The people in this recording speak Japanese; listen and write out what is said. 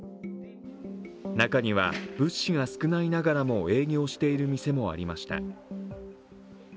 中には物資が少ないながらも営業している店もありました。